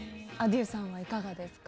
ａｄｉｅｕさんはいかがですか？